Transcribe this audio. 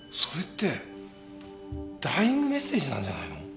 それってダイイングメッセージなんじゃないの？